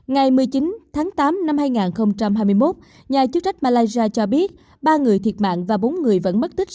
ngày một mươi chín tháng tám năm hai nghìn hai mươi một nhà chức trách malaysia cho biết ba người thiệt mạng và bốn người vẫn mất tích